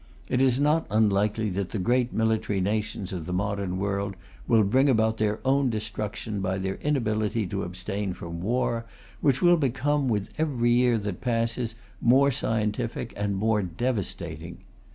It is not unlikely that the great military nations of the modern world will bring about their own destruction by their inability to abstain from war, which will become, with every year that passes, more scientific and more devastating.